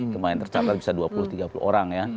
kemarin tercatat bisa dua puluh tiga puluh orang ya